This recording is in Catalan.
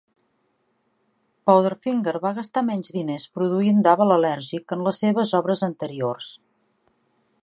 Powderfinger va gastar menys diners produint "Double Allergic" que en les seves obres anteriors.